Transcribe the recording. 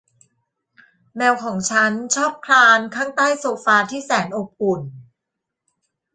แมวของฉันชอบคลานข้างใต้โซฟาที่แสนอบอุ่น